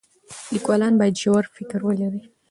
لیکوالان باید ژور فکر ولري.